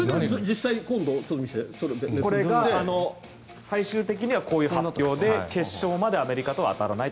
これが最終的にはこういう発表で決勝までアメリカとは当たらないと。